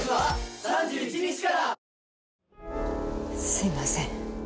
すいません。